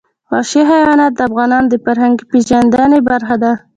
وحشي حیوانات د افغانانو د فرهنګي پیژندنې برخه ده.